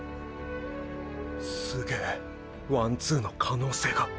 すげぇワンツーの可能性が！！